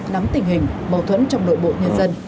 nắm tình hình mâu thuẫn trong nội bộ nhân dân